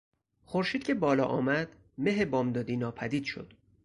خورشید که بالا آمد مه بامدادی ناپدید شد.